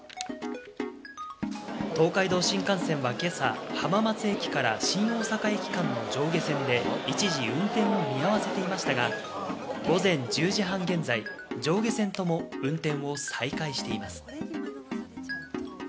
東海道新幹線は今朝、浜松駅から新大阪駅間の上下線で一時運転を見合わせていましたが、午前１０時半現在、上下線とも運転を再開しています。